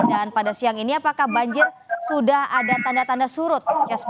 dan pada siang ini apakah banjir sudah ada tanda tanda surut